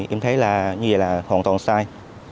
em thấy là như vậy là hoàn toàn sai